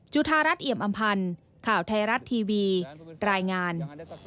ธารัฐเอี่ยมอำพันธ์ข่าวไทยรัฐทีวีรายงาน